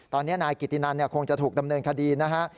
ตอนนี้นายกิตินันคงจะถูกดำเนินคดีนะฮะ